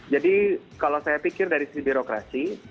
jadi kalau saya pikir dari sisi birokrasi